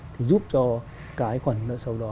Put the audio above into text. thì giúp cho cái khoản nợ sầu đó